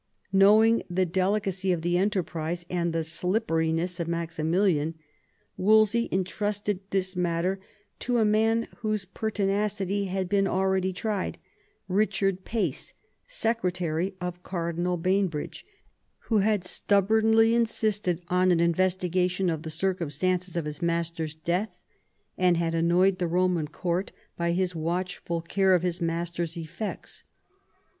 Knowing the delicacy of the enterprise and the slipperiness of Maximilian, Wolsey entrusted this matter to a man whose pertinacity had been already tried, — Richard Pace, secretary of Cardinal Bainbridge, who had stubbornly insisted on an investiga tion of the circumstances of his master's death, and had annoyed the Eoman Court by his watchful care of his master's effects.